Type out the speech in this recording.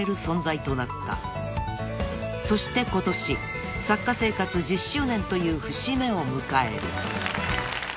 ［そして今年作家生活１０周年という節目を迎える］